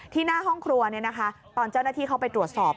หน้าห้องครัวตอนเจ้าหน้าที่เข้าไปตรวจสอบ